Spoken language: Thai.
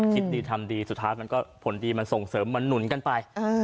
คิดดีทำดีสุดท้ายมันก็ผลดีมันส่งเสริมมันหนุนกันไป